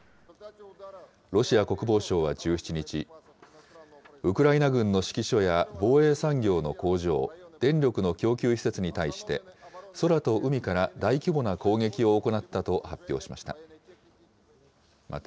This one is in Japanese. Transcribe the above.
ロシア国防省は１７日、ウクライナ軍の指揮所や防衛産業の工場、電力の供給施設に対して、空と海から大規模な攻撃を行ったと発表しました。